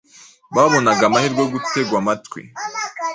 babonaga amahirwe yo gutegwa amatwi.